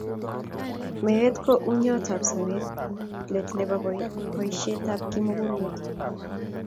Meet ko ung'otyotab sobeet, let nebo boisyetab kimugul met.